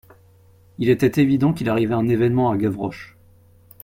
Il était évident qu'il arrivait un événement à Gavroche.